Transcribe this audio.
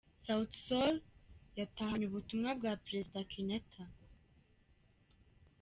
Sauti Sol yatahanye ubutumwa bwa Perezida Kenyatta.